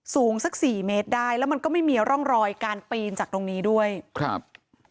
สูงสักสี่เมตรได้แล้วมันก็ไม่มีร่องรอยการปีนจากตรงนี้ด้วยครับ